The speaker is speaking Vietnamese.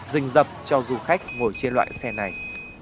rình dập cho du khách ngồi trên loại xe này